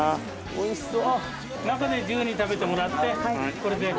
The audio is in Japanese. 中で自由に食べてもらってこれで。